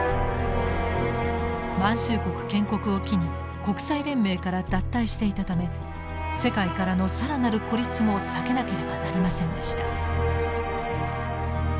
満州国建国を機に国際連盟から脱退していたため世界からの更なる孤立も避けなければなりませんでした。